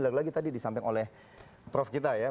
lagi lagi tadi disampaikan oleh prof kita ya